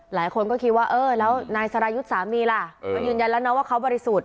หลายคนก็คิดว่าเออแล้วนายสรายุทธ์สามีล่ะก็ยืนยันแล้วนะว่าเขาบริสุทธิ์